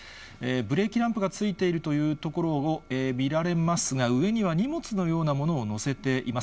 ブレーキランプがついているというところを見られますが、上には荷物のようなものを載せています。